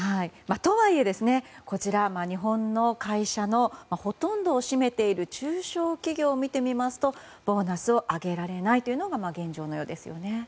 とはいえ、日本の会社のほとんどを占めている中小企業を見てみますとボーナスを上げられないというのが現状のようです。